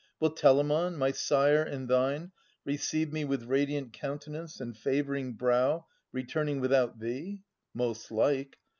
Will Telamon, my sire and thine, receive me With radiant countenance and favouring brow Returning without thee ? Most like